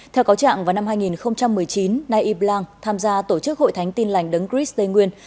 theo cáo trạng vào năm hai nghìn một mươi chín naip lang tham gia tổ chức hội thánh tin lành đấng chris tây nguyên